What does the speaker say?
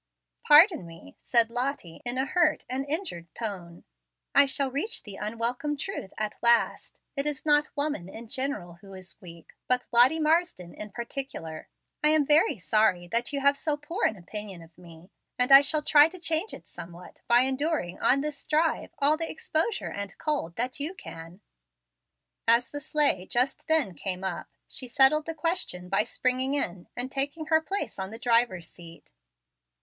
"Pardon me," said Lottie, in a hurt and injured tone; "I shall reach the unwelcome truth at last: it is not woman in general who is weak, but Lottie Marsden in particular. I am very sorry that you have so poor an opinion of me, and I shall try to change it somewhat by enduring, on this drive, all the exposure and cold that you can." As the sleigh just then came up, she settled the question by springing in and taking her place on the driver's seat.